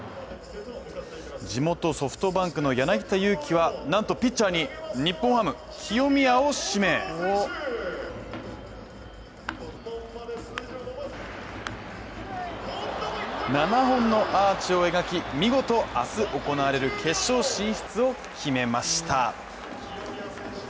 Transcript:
地元ソフトバンクの柳田悠岐は、なんとピッチャーに日本ハム・清宮を指名７本のアーチを描き、見事明日行われる決勝進出を決めました。